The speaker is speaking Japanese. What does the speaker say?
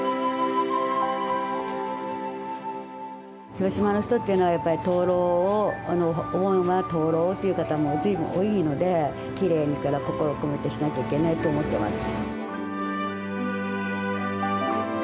広島の人っていうのはお盆の前は灯籠をという方もずいぶん多いのできれいに心を込めてしなきゃいけないと思っています。